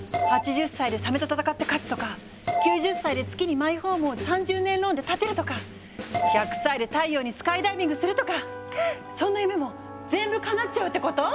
８０歳でサメと戦って勝つとか９０歳で月にマイホームを３０年ローンで建てるとか１００歳で太陽にスカイダイビングするとかそんな夢も全部かなっちゃうってこと？